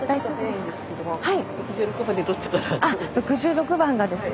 ６６番がですね